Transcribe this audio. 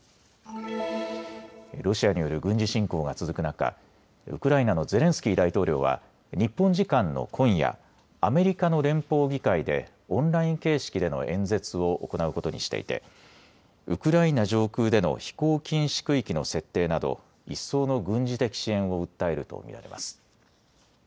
ロシアによる軍事侵攻が続く中、ウクライナのゼレンスキー大統領は日本時間の今夜、アメリカの連邦議会でオンライン形式での演説を行うことにしていてウクライナ上空での飛行禁止区域の設定など一層の軍事的支援を訴えると見られます。